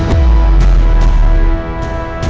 masuk saya tepats dia